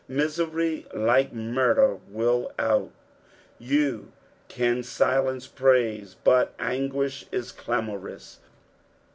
Misery, like murder, will out. You caa silence praise, but anguish is clamorous.